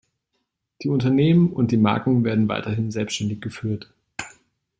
Die Unternehmen und die Marken werden weiterhin selbstständig geführt.